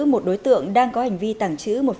một đối tượng đang có hành vi tảng trữ